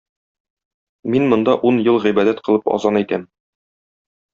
Мин монда ун ел гыйбадәт кылып азан әйтәм